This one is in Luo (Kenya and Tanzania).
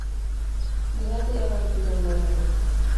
Dhi adhiya wabiro nenore.